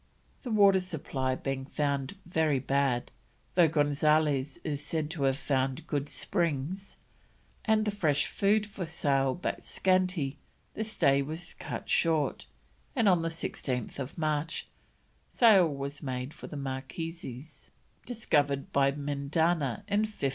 The water supply being found very bad, though Gonzales is said to have found good springs, and the fresh food for sale but scanty, the stay was cut short, and on 16th March sail was made for the Marquesas, discovered by Mendana in 1595.